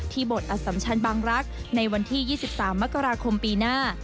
บทอสัมชันบางรักษ์ในวันที่๒๓มกราคมปีหน้า